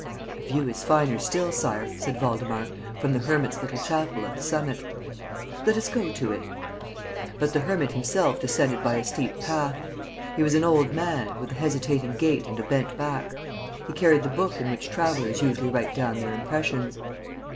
"The view is finer still, Sire," said Waldemar, "from the hermit's little chapel, at the summit." "Let us go to it." But the hermit himself descended by a steep path. He was an old man, with a hesitating gait and a bent back. He carried the book in which travellers usually write down their impressions.